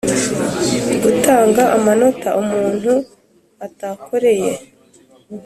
Gutanga amanota umuntu atakoreye